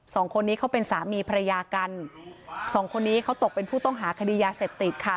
สองคนนี้เขาเป็นสามีภรรยากันสองคนนี้เขาตกเป็นผู้ต้องหาคดียาเสพติดค่ะ